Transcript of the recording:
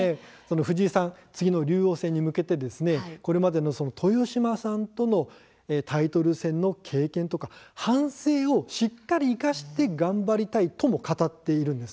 藤井さん、次の竜王戦に向けてこれまでの豊島さんとのタイトル戦での経験や反省をしっかり生かして頑張りたいとも語っているんです。